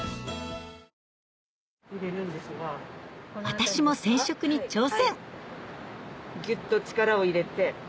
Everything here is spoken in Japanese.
私も染色に挑戦ギュっと力を入れて。